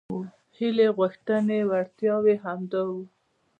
هیلې غوښتنې وړتیاوې همدا وو.